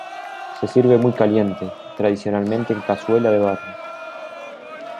Se sirve muy caliente, tradicionalmente en cazuela de barro.